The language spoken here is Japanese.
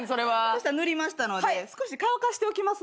そしたら塗りましたので少し乾かしておきますね。